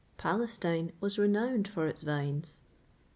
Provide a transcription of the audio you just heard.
Palestine was renowned for its vines.